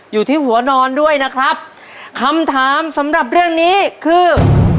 อยู่ที่หัวนอนด้วยนะครับคำถามสำหรับเรื่องนี้คือ